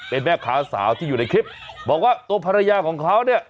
เป็นแม่ค้าสาวที่อยู่ในคลิปบอกว่าตัวภรรยาของเขาเนี่ย